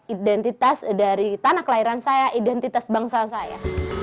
identitas dari tanah kelahiran saya identitas bangsa saya